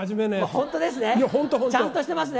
本当ですね？